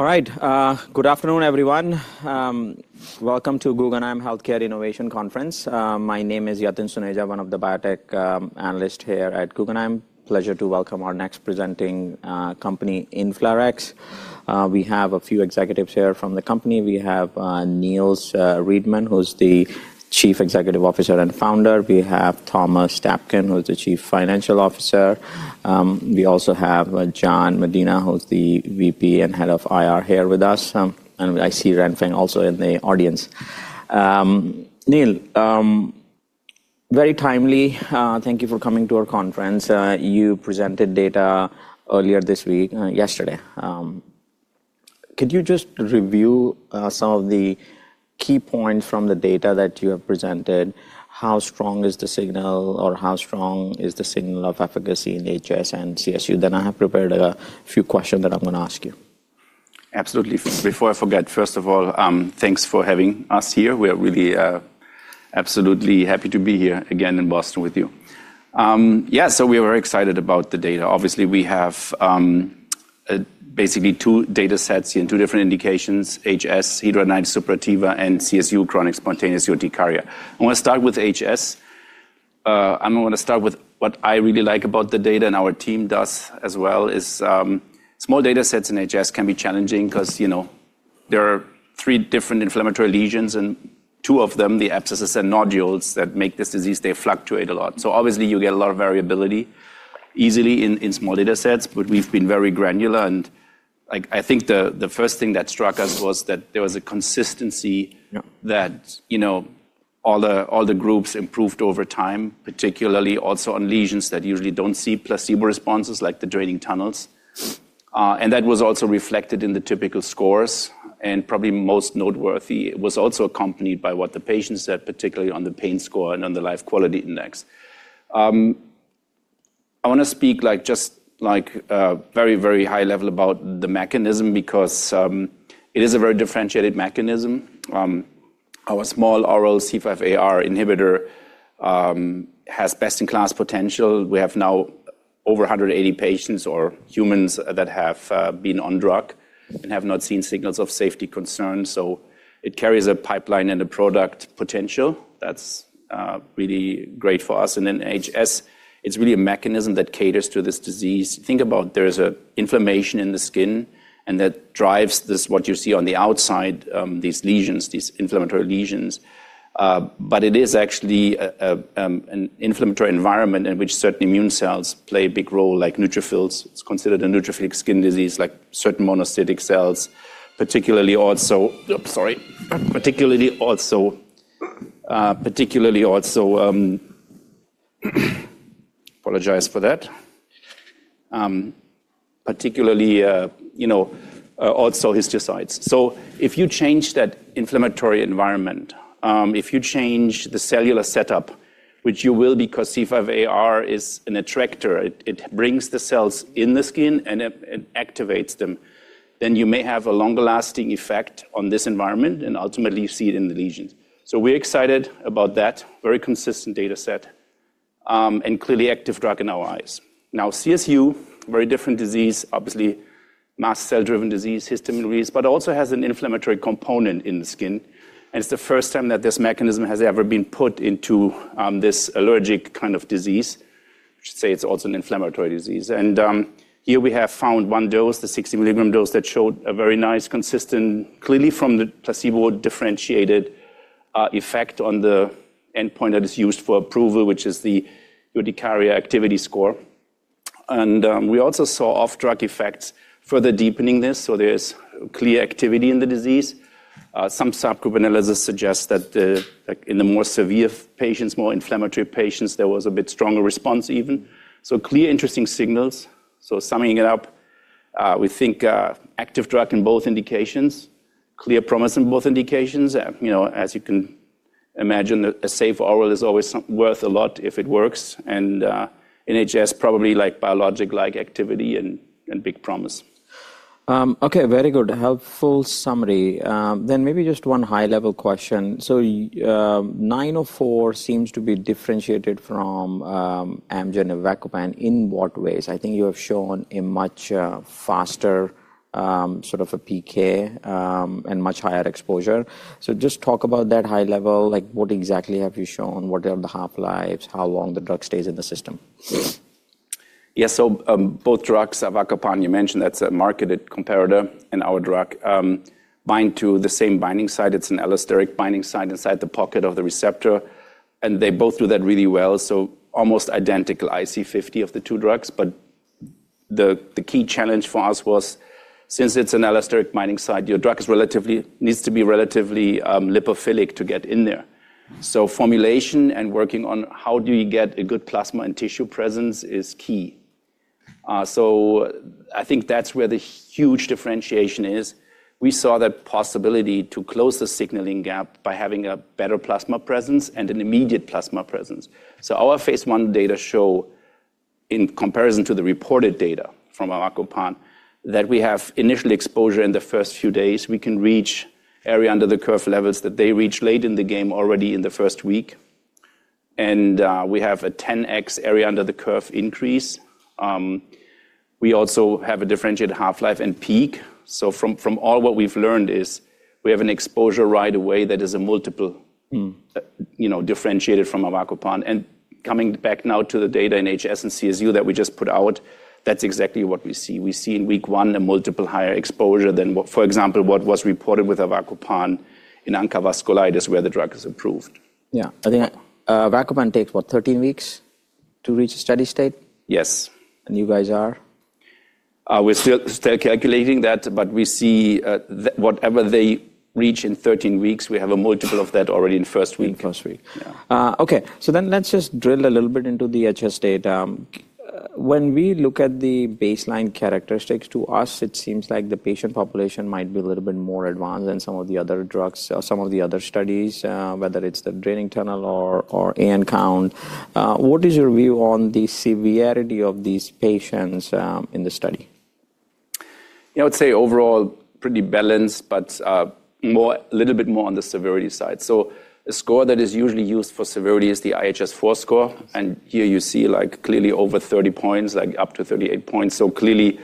All right. Good afternoon, everyone. Welcome to Guggenheim Healthcare Innovation Conference. My name is Yatin Suneja, one of the biotech analysts here at Guggenheim. Pleasure to welcome our next presenting company, InflaRx. We have a few executives here from the company. We have Niels Riedemann, who's the Chief Executive Officer and founder. We have Thomas Taapken, who is the Chief Financial Officer. We also have John Medina, who's the VP and head of IR here with us. And I see Renfeng also in the audience. Niels, very timely. Thank you for coming to our conference. You presented data earlier this week. Yesterday. Could you just review some of the key points from the data that you have presented? How strong is the signal or how strong is the signal of efficacy in HS and CSU? Then I have prepared a few questions that I'm going to ask you. Absolutely. Before I forget, first of all, thanks for having us here. We are really, absolutely happy to be here again in Boston with you. Yeah. So we are very excited about the data. Obviously we have basically two data sets in two different indications. HS, Hidradenitis suppurativa, and CSU, chronic spontaneous urticaria. I want to start with HS. I want to start with what I really like about the data, and our team does as well, is small data sets in HS can be challenging because there are three different inflammatory lesions and two of them, the abscesses and nodules that make this disease, they fluctuate a lot. Obviously you get a lot of variability easily in small data sets. But we've been very granular. I think the first thing that struck us was that there was a consistency that all the groups improved over time, particularly also on lesions that usually do not see placebo responses like the draining tunnels. That was also reflected in the typical scores. Probably most noteworthy was it was also accompanied by what the patients said, particularly on the pain score and on the life quality index. I want to speak just very, very high level about the mechanism because it is a very differentiated mechanism. Our small oral C5aR inhibitor has best in class potential. We have now over 180 patients or humans that have been on drug and have not seen signals of safety concern. It carries a pipeline and a product potential that is really great for us. In HS it is really a mechanism that caters to this disease. Think about there is an inflammation in the skin and that drives this. What you see on the outside, these lesions, these inflammatory lesions, but it is actually an inflammatory environment in which certain immune cells play a big role like neutrophils. It's considered neutrophilic skin disease, like certain monosthetic cells, particularly also, sorry, particularly also, particularly also—apologize for that—particularly, you know, also histiocytes. If you change that inflammatory environment, if you change the cellular setup, which you will, because C5aR is an attractor, it brings the cells in the skin and activates them, then you may have a longer lasting effect on this environment and ultimately you see it in the lesions. We're excited about that. Very consistent data set and clearly active drug in our eyes. Now CSU, very different disease, obviously mast cell driven disease, histamine release, but also has an inflammatory component in the skin. It's the first time that this mechanism has ever been put into this allergic kind of disease. Should say it's also an inflammatory disease. Here we have found one dose, the 60 milligram dose, that showed a very nice, consistent, clearly from the placebo differentiated effect on the endpoint that is used for approval, which is the Urticaria Activity Score. We also saw off drug effects, further deepening this. There's clear activity in the disease. Some subgroup analysis suggests that in the more severe patients, more inflammatory patients, there was a bit stronger response. Even so, clear interesting signals. Summing it up, we think active drug in both indications, clear promise in both indications. As you can imagine, a safe oral is always worth a lot if it works. And HS probably like biologic-like activity and big promise. Okay, very good. Helpful summary. Maybe just one high level question. 904 seems to be differentiated from Amgen Avacopan in what ways? I think you have shown a much faster sort of a PK and much higher exposure. Just talk about that high level. What exactly have you shown? What are the half lives, how long the drug stays in the system? Yes. Both drugs, Avacopan you mentioned, that's a marketed comparator and our drug bind to the same binding site. It's an allosteric binding site inside the pocket of the receptor and they both do that really well. Almost identical IC50 of the two drugs. The key challenge for us was since it's an allosteric binding site, your drug needs to be relatively lipophilic to get in there. Formulation and working on how do you get a good plasma and tissue presence is key. I think that's where the huge differentiation is. We saw that possibility to close the signaling gap by having a better plasma presence and an immediate plasma presence. Our phase one data show in comparison to the reported data from Avacopan that we have initial exposure in the first few days, we can reach area under the curve levels that they reach late in the game, already in the first week. We have a 10x area under the curve increase. We also have a differentiated half life and peak. From all what we've learned is we have an exposure right away that is a multiple, you know, differentiated from Avacopan. Coming back now to the data in HS and CSU that we just put out, that's exactly what we see. We see in week one a multiple higher exposure than for example, what was reported with Avacopan in ANCA vasculitis where the drug is approved. Yeah, I think Avacopan takes what, 13 weeks to reach a steady state. Yes. You guys are. We're still calculating that, but we see whatever they reach in 13 weeks, we have a multiple of that already in first week. First week. Okay, so then let's just drill a little bit into the HS data. When we look at the baseline characteristics, to us it seems like the patient population might be a little bit more advanced than some of the other drugs, some of the other studies. Whether it's the draining tunnel or AN count. What is your view on the severity of these patients in the study? I would say overall pretty balanced, but a little bit more on the severity side. A score that is usually used for severity is the IHS4 score. Here you see clearly over 30 points, up to 38 points. I would clearly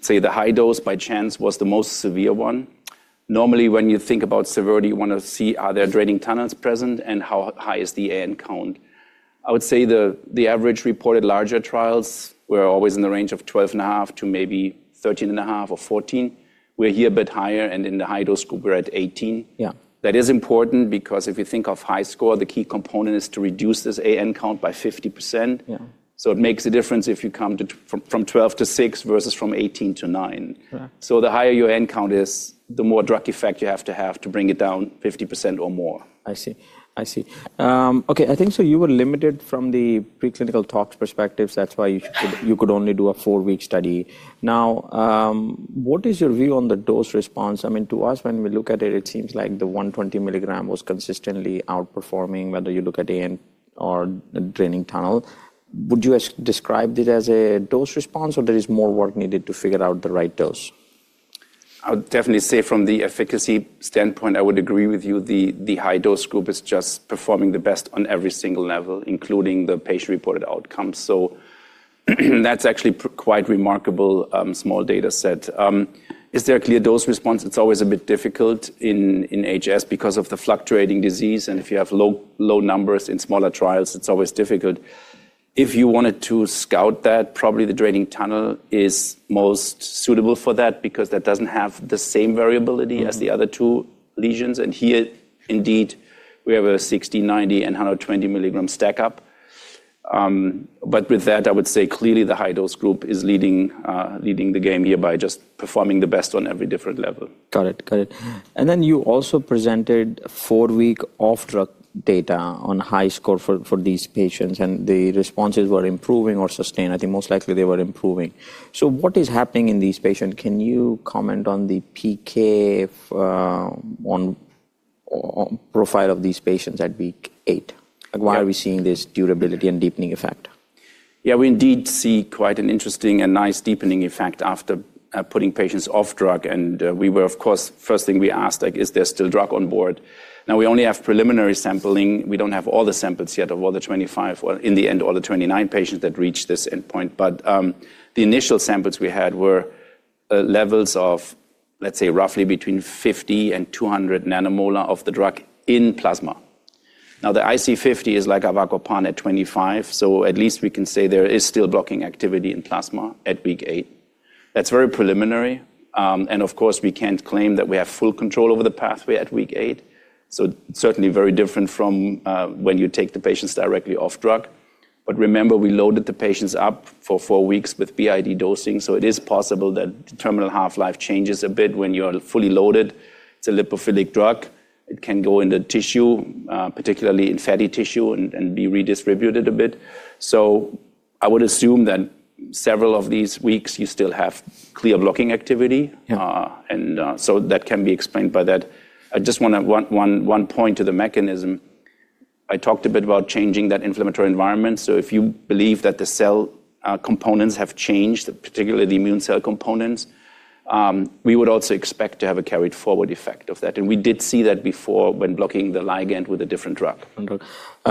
say the high dose by chance was the most severe one. Normally when you think about severity, you want to see are there draining tunnels present and how high is the AN count? I would say the average reported larger trials were always in the range of 12.5 to maybe 13.5 or 14. We're here a bit higher and in the high dose group we're at 18. That is important because if you think of high score, the key component is to reduce this AN count by 50%. It makes a difference if you come from 12 to 6 versus from 18 to 9. The higher your N count is, the more drug effect you have to have to bring it down 50% or more. I see, I see. Okay. I think so. You were limited from the preclinical talks perspective. That's why you could only do a four week study. Now what is your view on the dose response? I mean, to us when we look at it, it seems like the 120 milligram was consistently outperforming. Whether you look at AN or draining tunnel, would you describe it as a dose response or there is more work needed to figure out the right dose? I would definitely say from the efficacy standpoint, I would agree with you. The high dose group is just performing the best on every single level, including the patient reported outcomes. That is actually quite remarkable. Small data set. Is there a clear dose response? It is always a bit difficult in HS because of the fluctuating disease and if you have low numbers in smaller trials, it is always difficult. If you wanted to scout that, probably the draining tunnel is most suitable for that because that does not have the same variability as the other two lesions. Here indeed we have a 60, 90 and 120 milligram stack up. With that I would say clearly the high dose group is leading the game here by just performing the best on every different level. Got it. You also presented four week off drug data on IHS4 score for these patients and the responses were improving or sustained. I think most likely they were improving. What is happening in these patients? Can you comment on the PK profile of these patients at week 8? Why are we seeing this durability and deepening effect? Yeah, we indeed see quite an interesting and nice deepening effect after putting patients off drug. We were, of course, first thing we asked, is there still drug on board? We only have preliminary sampling. We do not have all the samples yet of all the 25 or in the end, all the 29 patients that reach this endpoint. The initial samples we had were levels of, let's say, roughly between 50 and 200 nanomolar of the drug in plasma. The IC50 is like avacopan at 25, so at least we can say there is still blocking activity in plasma at week eight. That is very preliminary. Of course, we cannot claim that we have full control over the pathway at week eight. Certainly very different from when you take the patients directly off drug. Remember, we loaded the patients up for four weeks with bid dosing, so it is possible that terminal half life changes a bit when you are fully loaded. It's a lipophilic drug, it can go into tissue, particularly in fatty tissue, and be redistributed a bit. I would assume that several of these weeks you still have clear blocking activity and that can be explained by that. I just want to point to the mechanism. I talked a bit about changing that inflammatory environment. If you believe that the cell components have changed, particularly the immune cell components, we would also expect to have a carried forward effect of that. We did see that before when blocking the ligand with a different drug.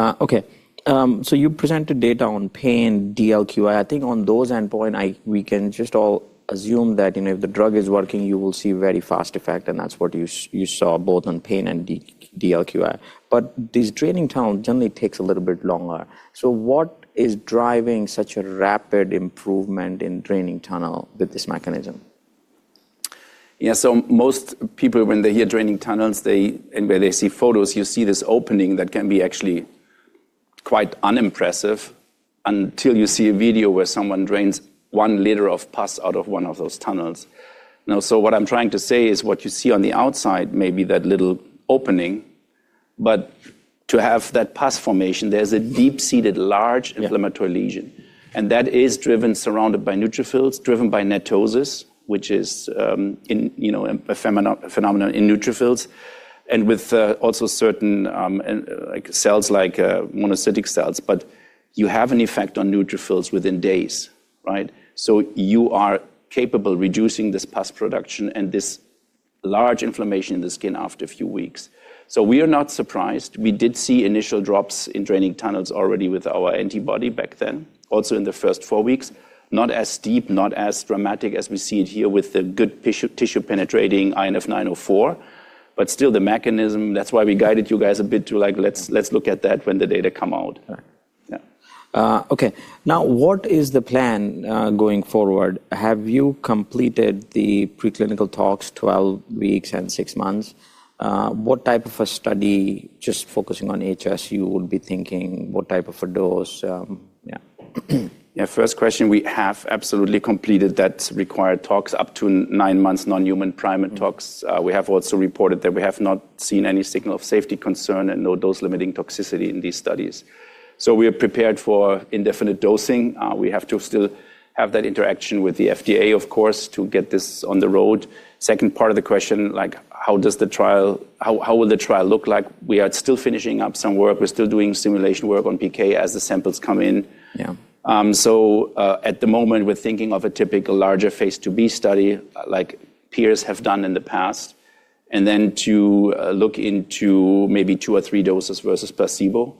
Okay, so you presented data on pain DLQI. I think on those endpoint we can just all assume that if the drug is working, you will see very fast effect. And that's what you saw both on pain and DLQI. But this draining tunnel generally takes a little bit longer. So what is driving such a rapid improvement in draining tunnel with this mechanism? Most people, when they hear draining tunnels and when they see photos, you see this opening that can be actually quite unimpressive until you see a video where someone drains 1 liter of pus out of one of those tunnels. What I'm trying to say is what you see on the outside may be that little opening, but to have that pus formation, there is a deep-seated large inflammatory lesion and that is driven, surrounded by neutrophils, driven by netosis, which is a phenomenon in neutrophils and with also certain cells like monocytic cells. You have an effect on neutrophils within days. You are capable of reducing this pus production and this large inflammation in the skin after a few weeks. We are not surprised. We did see initial drops in draining tunnels already with our antibody back then also in the first four weeks. Not as steep, not as dramatic as we see it here with the good tissue-penetrating INF904, but still the mechanism. That's why we guided you guys a bit to like let's, let's look at that when the data come out. Okay. Now what is the plan going forward? Have you completed the preclinical talks? Twelve weeks and six months. What type of a study? Just focusing on HS, you would be thinking what type of a dose? Yeah, yeah. First question, we have absolutely completed that required tox up to nine months, non-human primate tox. We have also reported that we have not seen any signal of safety concern and no dose-limiting toxicity in these studies. So we are prepared for indefinite dosing. We have to still have that interaction with the FDA of course, to get this on the road. Second part of the question, like how does the trial, how will the trial look like? We are still finishing up some work. We're still doing simulation work on PK as the samples come in. At the moment we're thinking of a typical larger phase 2b study like peers have done in the past and then to look into maybe two or three doses versus placebo.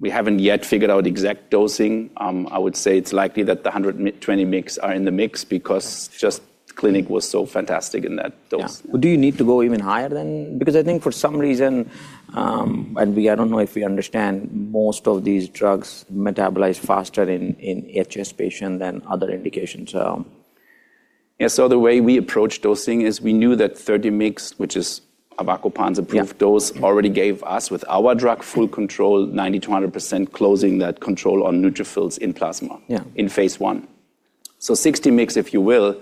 We haven't yet figured out exact dosing. I would say it's likely that the 120 mg are in the mix because just clinically it was so fantastic in that dose. Do you need to go even higher than. Because I think for some reason and we, I don't know if we understand, most of these drugs metabolize faster in HS patient than other indications. Yeah. The way we approach dosing is we knew that 30 mg, which is Avacopan's approved dose, already gave us with our drug full control, 90%-100%, closing that control on neutrophils in plasma in phase one. 60 mg, if you will,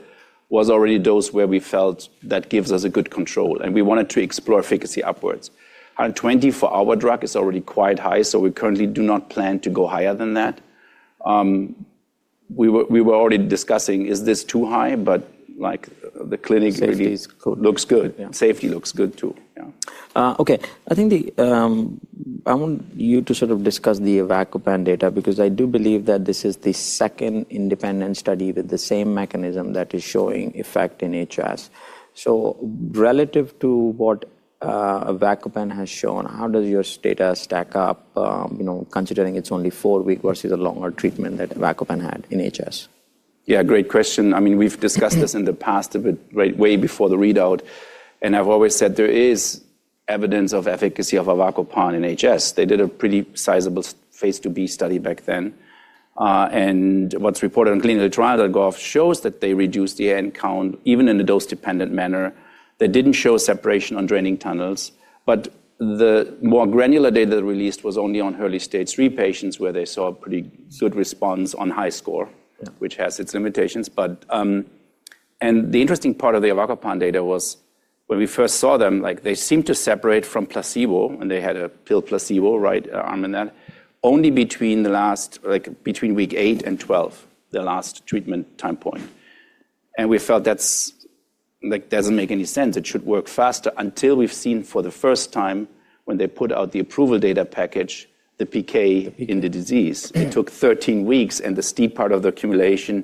was already a dose where we felt that gives us good control and we wanted to explore efficacy upwards. 120 for our drug is already quite high. We currently do not plan to go higher than that. We were already discussing is this too high? The clinic safety looks good. Safety looks good too. Okay, I think I want you to sort of discuss the Avacopan data because I do believe that this is the second independent study with this same mechanism that is showing effect in HS. So relative to what Avacopan has shown, how does your status stack up considering it's only four weeks versus a longer treatment that Avacopan had in HS? Yeah, great question. I mean we've discussed this in the past way before the readout and I've always said there is evidence of efficacy of Avacopan in HS. They did a pretty sizable phase 2b study back then. And what's reported on ClinicalTrials.gov shows that they reduced the AN count even in a dose-dependent manner. They didn't show separation on draining tunnels. The more granular data released was only on early stage 3 patients where they saw a pretty good response on IHS4 score, which has its limitations. The interesting part of the Avacopan data was when we first saw them, they seemed to separate from placebo and they had a pill placebo right arm. That only between the last, like between week eight and 12, the last treatment time point. We felt that does not make any sense, it should work faster until we have seen for the first time when they put out the approval data package, the PK in the disease, it took 13 weeks and the steep part of the accumulation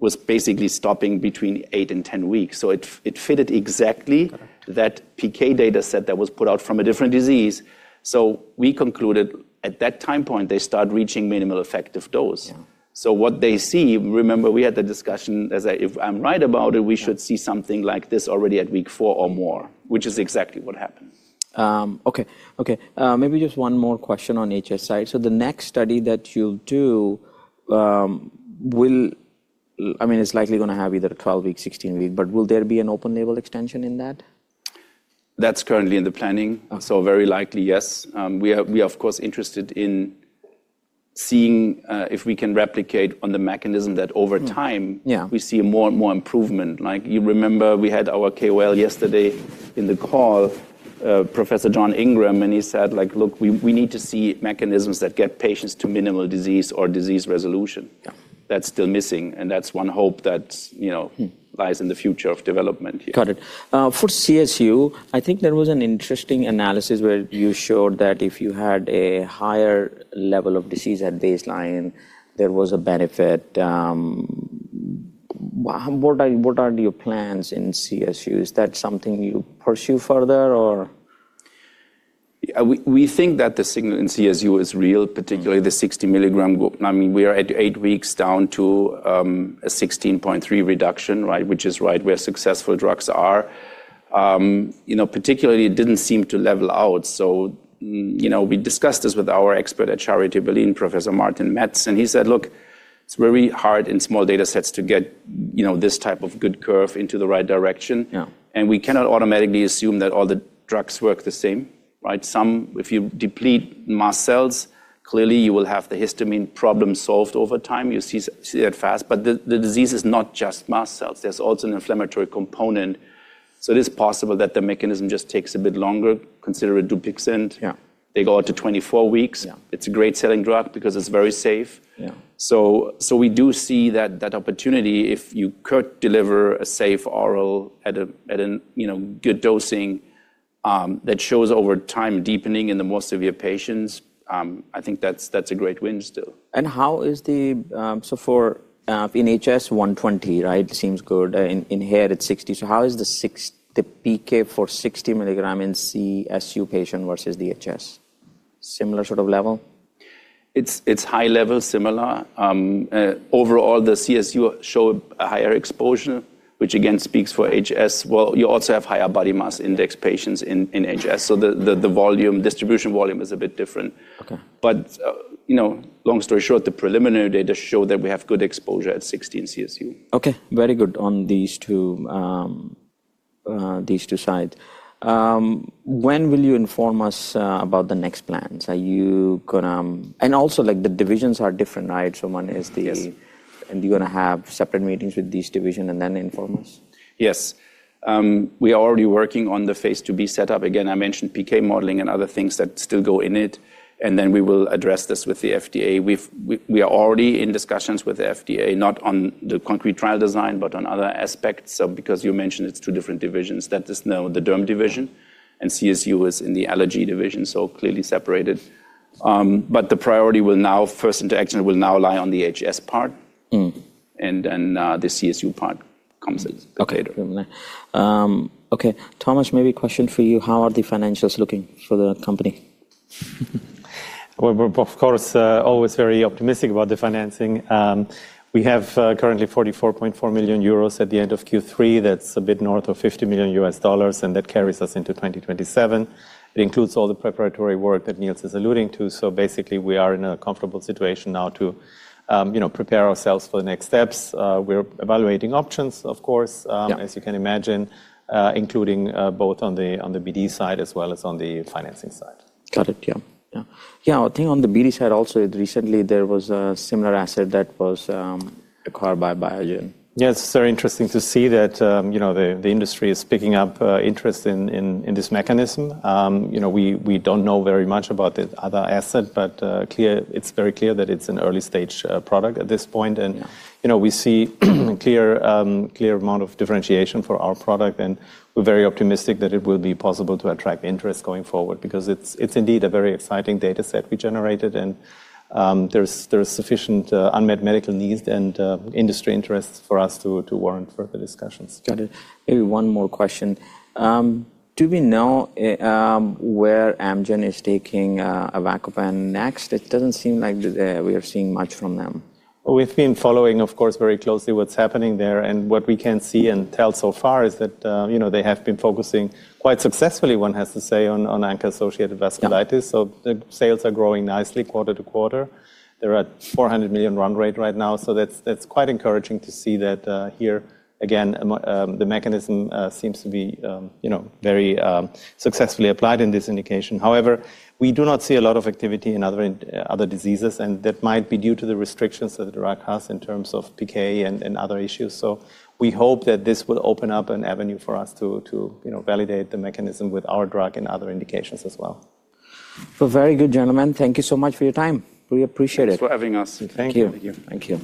was basically stopping between 8 and 10 weeks. It fitted exactly that PK data set that was put out from a different disease. We concluded at that time point they start reaching minimal effective dose. What they see, remember we had the discussion, if I am right about it, we should see something like this already at week four or more, which is exactly what happened. Okay, okay. Maybe just one more question on HS. So the next study that you'll do will. I mean, it's likely going to have either 12 weeks, 16 weeks, but will there be an open label extension in that? That's currently in the planning. So very likely, yes. We are of course interested in seeing if we can replicate on the mechanism that over time we see more and more improvement. Like you remember, we had our KOL yesterday in the call, Professor John Ingram, and he said, like, look, we need to see mechanisms that get patients to minimal disease or disease resolution. That's still missing. And that's one hope that, you know, lies in the future of development. Got it. For CSU, I think there was an interesting analysis where you showed that if you had a higher level of disease at baseline, there was a benefit. What are your plans in CSU? Is that something you pursue further or. We think that the signal in CSU is real, particularly the 60 milligram group. I mean, we are at eight weeks down to a 16.3 reduction. Right. Which is. Right. We are successful. Drugs are particularly didn't seem to level out. We discussed this with our expert at Charité Berlin, Professor Martin Metz. He said, look, it's very hard in small data sets to get this type of good curve into the right direction. We cannot automatically assume that all the drugs work the same. If you deplete mast cells, clearly you will have the histamine problem solved over time. You see that fast. The disease is not just mast cells. There is also an inflammatory component. It is possible that the mechanism just takes a bit longer. Consider Dupixent. They go out to 24 weeks. It's a great selling drug because it's very safe. We do see that opportunity if you could deliver a safe oral at a good dosing that shows over time deepening in the more severe patients. I think that's a great win still. How is the, so for in HS? 120. Right. Seems good. In here it's 60. How is the, the PK for 60 milligram in CSU patient versus the HS? Similar sort of level. It's high level. Similar. Overall, the CSU show a higher exposure, which again speaks for HS. You also have higher body mass index patients in HS, so the volume distribution, volume is a bit different. Long story short, the preliminary data show that we have good exposure at 16 CSU. Okay, very good on these two sides. When will you inform us about the next plans? Are you going. Also, the divisions are different, right? One is the. Are you going to have separate meetings with these divisions and then inform us? Yes, we are already working on the phase to be set up. Again, I mentioned PK modeling and other things that still go in it. We will address this with the FDA. We are already in discussions with the FDA, not on the concrete trial design, but on other aspects. You mentioned it's two different divisions, that is now the Derm division and CSU is in the allergy division. Clearly separated. The priority will now, first interaction will now lie on the HS part and then the CSU part comes later. Okay, Thomas, maybe a question for you. How are the financials looking for the company? We're of course always very optimistic about the financing. We have currently 44.4 million euros at the end of Q3. That's a bit north of $50 million and that carries us into 2027. It includes all the preparatory work that Niels is alluding to. So basically we are in a comfortable situation now to, you know, prepare ourselves for the next steps. We're evaluating options, of course, as you can imagine, including both on the BD side as well as on the financing side. Got it? Yeah. Yeah. I think on the BD side also recently there was a similar asset that was acquired by Biogen. Yes, very interesting to see that, you know, the industry is picking up interest in this mechanism. You know, we do not know very much about the other asset, but it is very clear that it is an early stage product at this point and we see clear amount of differentiation for our product and we are very optimistic that it will be possible to attract interest going forward because it is indeed a very exciting data set we generated and there is sufficient unmet medical needs and industry interests for us to warrant further discussions. Got it. Maybe one more question. Do we know where Amgen is taking Avacopan next? It doesn't seem like we are seeing much from them. We've been following, of course, very closely what's happening there. And what we can see and tell so far is that, you know, they have been focusing quite successfully, one has to say, on ANCA-associated vasculitis. So the sales are growing nicely quarter to quarter. They're at $400 million run rate right now. So that's quite encouraging to see that here. Again, the mechanism seems to be, you know, very successfully applied in this indication. However, we do not see a lot of activity in other diseases, and that might be due to the restrictions that the drug has in terms of PK and other issues. So we hope that this will open up an avenue for us to validate the mechanism with our drug and other indications as well. Very good, gentlemen. Thank you so much for your time. We appreciate it. Thanks for having us. Thank you. Thank you.